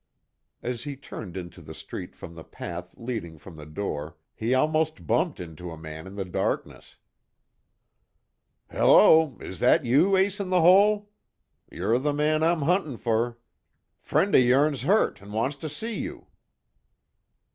As he turned into the street from the path leading from the door he almost bumped into a man in the darkness: "Hello! Is that you, Ace In The Hole? Yer the man I'm huntin' fer. Friend of yourn's hurt an' wants to see you."